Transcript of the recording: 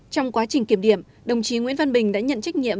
trong quá trình kiểm điểm đồng chí nguyễn văn bình đã nhận trách nhiệm